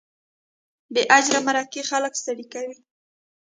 بې اجره مرکې خلک ستړي کوي.